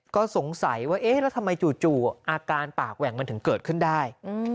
ก็สงสัยว่าเอ๊ะแล้วทำไมจู่อาการปากแหว่งมันถึงเกิดขึ้นได้